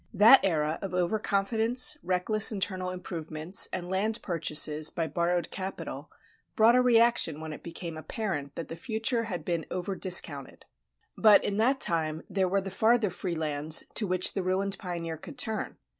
That era of over confidence, reckless internal improvements, and land purchases by borrowed capital, brought a reaction when it became apparent that the future had been over discounted. But, in that time, there were the farther free lands to which the ruined pioneer could turn.